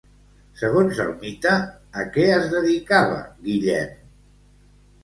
Segons el mite, a què es dedicava Guillem?